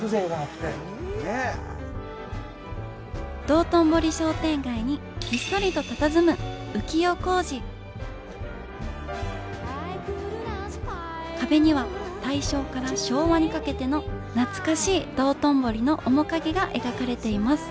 道頓堀商店街にひっそりとたたずむ浮世小路壁には大正から昭和にかけての懐かしい道頓堀の面影が描かれています